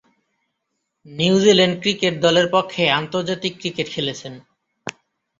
New Zealand cricket দলের পক্ষে আন্তর্জাতিক ক্রিকেট খেলেছেন।